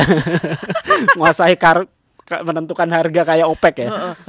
menguasai menentukan harga kayak opec ya